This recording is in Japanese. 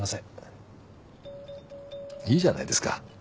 いいじゃないですか。